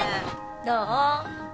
どう？